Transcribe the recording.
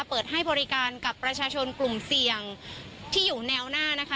เปิดให้บริการกับประชาชนกลุ่มเสี่ยงที่อยู่แนวหน้านะคะ